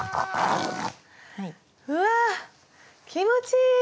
うわ気持ちいい！